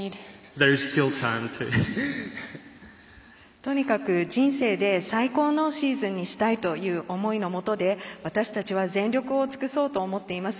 とにかく人生で最高のシーズンにしたいという思いのもとで私たちは全力を尽くそうと思っています。